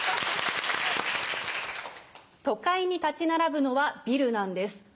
都会に立ち並ぶのはビルなんです。